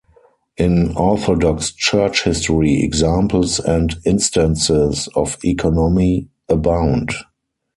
In Orthodox Church history, examples and instances of economy abound.